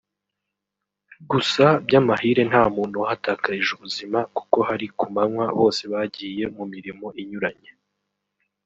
gusa by’amahire nta muntu wahatakarije ubuzima kuko hari ku manywa bose bagiye mu mirimo inyuranye